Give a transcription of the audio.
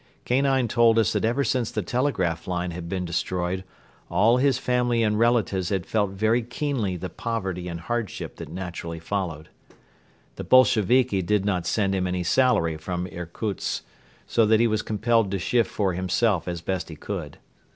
Kanine told us that ever since the telegraph line had been destroyed all his family and relatives had felt very keenly the poverty and hardship that naturally followed. The Bolsheviki did not send him any salary from Irkutsk, so that he was compelled to shift for himself as best he could.